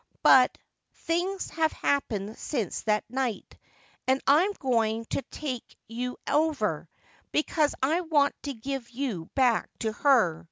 But — things have happened since that night, and I'm going to take you over, because I want to give you back to her.